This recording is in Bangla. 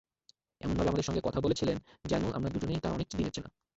এমনভাবে আমাদের সঙ্গে কথা বলছিলেন, যেন আমরা দুজনেই তাঁর অনেক দিনের চেনা।